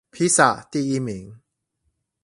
披薩第一名